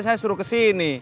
tadi saya suruh kesini